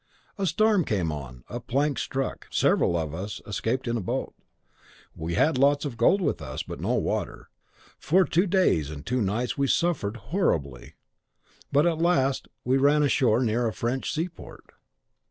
A storm came on, a plank struck; several of us escaped in a boat; we had lots of gold with us, but no water. For two days and two nights we suffered horribly; but at last we ran ashore near a French seaport.